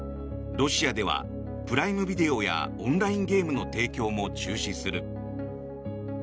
ロシアではプライムビデオやオンラインゲームの提供も中止する。